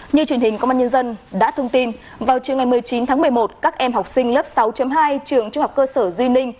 như truyền hình công an nhân dân đã thông tin vào trường ngày một mươi chín tháng một mươi một các em học sinh lớp sáu hai trường trung học cơ sở duy ninh